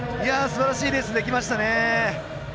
すばらしいレースができましたね。